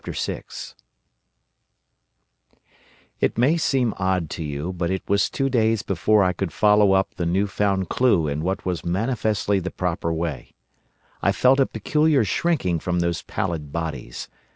The Morlocks "It may seem odd to you, but it was two days before I could follow up the new found clue in what was manifestly the proper way. I felt a peculiar shrinking from those pallid bodies.